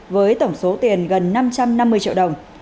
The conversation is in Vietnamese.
với tổng số tiền gần năm trăm năm mươi triệu đồng